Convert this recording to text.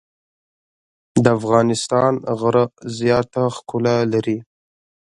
د افغانستان غره زیاته ښکلا لري.